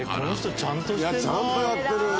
「ちゃんとやってる」